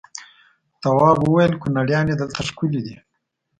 تواب وويل: کنریانې دلته ښکلې دي.